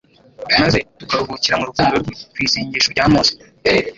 maze tukaruhukira mu rukundo rwe. Ku isengesho rya Mose